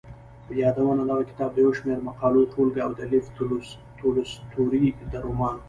يادونه دغه کتاب د يو شمېر مقالو ټولګه او د لېف تولستوري د رومان.